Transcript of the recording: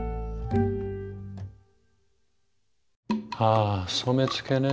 あ染付ね。